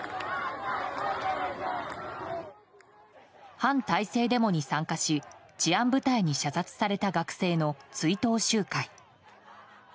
反体制デモに参加し治安部隊に射殺された学生の追悼集会。